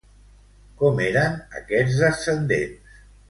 Com eren aquests descendents?